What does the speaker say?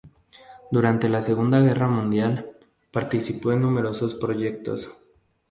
Durante la Segunda Guerra Mundial, participó en numerosos proyectos.